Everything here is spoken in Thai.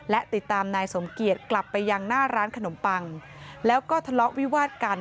และติดตามนายสมเกียจกลับไปยังหน้าร้านขนมปังแล้วก็ทะเลาะวิวาดกัน